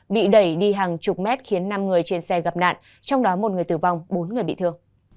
bị đẩy đi hàng chục mét khiến năm người trên xe gặp nạn trong đó một người tử vong bốn người bị thương